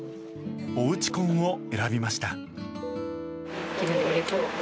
おうち婚を選びました。